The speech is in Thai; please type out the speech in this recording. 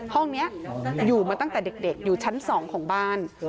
ห้องนี้อยู่มาตั้งแต่เด็กอยู่ชั้น๒ของบ้าน